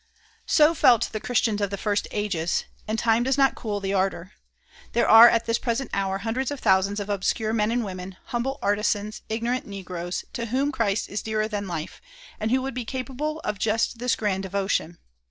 So felt the Christians of the first ages, and time does not cool the ardor. There are at this present hour hundreds of thousands of obscure men and women, humble artisans, ignorant negroes, to whom Christ is dearer than life, and who would be capable of just this grand devotion.